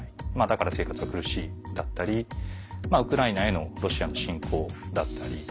だから生活は苦しいだったりウクライナへのロシアの侵攻だったり。